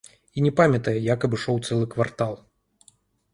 І не памятае, як абышоў цэлы квартал.